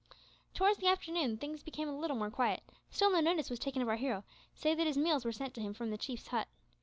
Towards the afternoon things became a little more quiet, still no notice was taken of our hero save that his meals were sent to him from the Chief's hut.